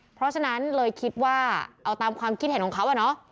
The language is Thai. เพราะฉะนั้นเลยคิดว่าเอาตามความคิดเห็นของเขาอะเนาะ